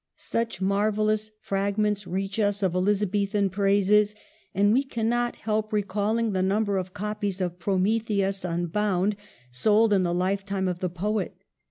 Such marvellous fragments reach us of Elizabethan praises ; and we cannot help recalling the num ber of copies of ' Prometheus Unbound ' sold in the lifetime of the poet.